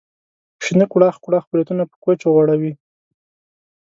شنه کوړاخ کوړاخ بریتونه په کوچو غوړوي.